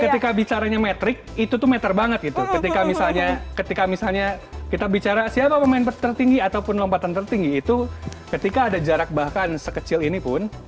ketika bicaranya metrik itu tuh meter banget gitu ketika misalnya ketika misalnya kita bicara siapa pemain tertinggi ataupun lompatan tertinggi itu ketika ada jarak bahkan sekecil ini pun